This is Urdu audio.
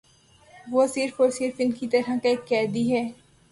وہ صرف اور صرف ان کی طرح کا ایک قیدی ہے ا